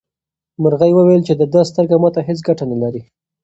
مرغۍ وویل چې د ده سترګه ماته هیڅ ګټه نه لري.